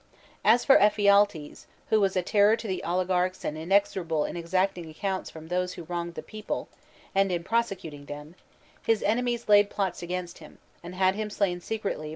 As for Ephialtes, who was a terror to the oligarchs and inexorable in exacting accounts from those who wronged the people, and in prosecuting them, his enemies laid plots against him, and had him slain 1 463 B.c.